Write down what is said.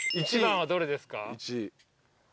１番はどれですか？